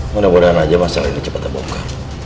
mudah mudahan aja masalah ini cepat terbuka